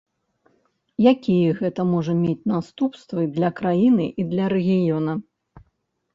Якія гэта можа мець наступствы для краіны і для рэгіёна?